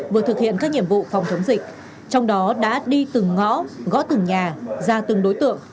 vừa thực hiện các nhiệm vụ phòng chống dịch trong đó đã đi từng ngõ gõ từng nhà ra từng đối tượng